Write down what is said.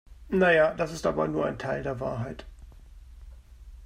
Naja, das ist aber nur ein Teil der Wahrheit.